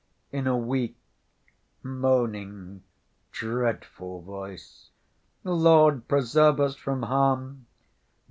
in a weak, moaning, dreadful voice. "Lord, preserve us from harm!"